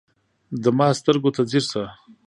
د ما سترګو ته ځیر شه